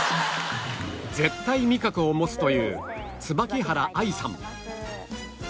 絶対味覚を持つという椿原愛さん